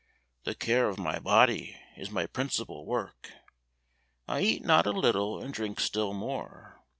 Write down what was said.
The care of my body is my principal work, I eat not a little and drink still more.